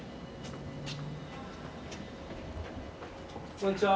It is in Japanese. こんにちは。